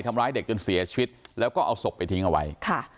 ทำร้ายเด็กจนเสียชีวิตแล้วก็เอาศพไปทิ้งเอาไว้ค่ะ